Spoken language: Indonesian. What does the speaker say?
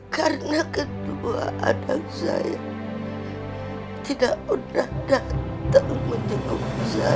karena kedua anak saya tidak pernah datang menjemput saya